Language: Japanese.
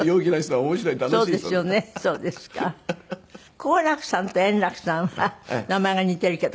好楽さんと円楽さんは名前が似ているけど。